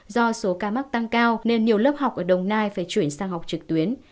do số ca mắc tăng cao nên nhiều lớp học ở đồng nai phải chuyển sang học trực tuyến